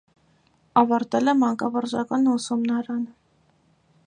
Ավարտել է մանկավարժական ուսումնարանը։